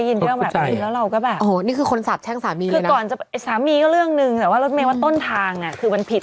จริงค่ะคืออื้อหือพอได้ยินเรื่องแบบนี้แล้วเราก็แบบ